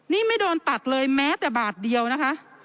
นี่ไม่โดนตัดเลยแม้แต่บาทเดียวนะคะ